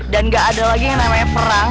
dan gak ada lagi yang namanya perang